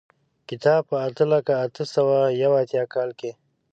کتاب په اته لکه اته سوه یو اتیا کال کې.